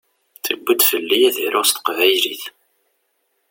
Tuwi-d fell-i ad aruɣ s teqbaylit.